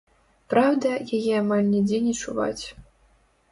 Праўда, яе амаль нідзе не чуваць.